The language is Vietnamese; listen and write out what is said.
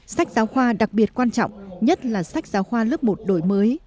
sách giáo khoa đặc biệt quan trọng nhất là sách giáo khoa lớp một đổi mới